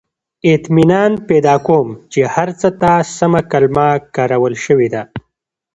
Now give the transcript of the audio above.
• اطمینان پیدا کوم، چې هر څه ته سمه کلمه کارول شوې ده.